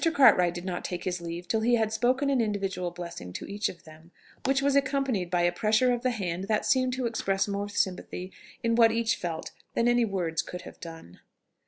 Cartwright did not take his leave till he had spoken an individual blessing to each of them, which was accompanied by a pressure of the hand that seemed to express more sympathy in what each felt than any words could have done.